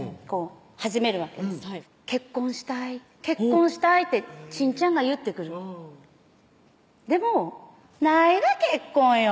始めるわけです「結婚したい結婚したい」ってちんちゃんが言ってくるでも何が結婚よ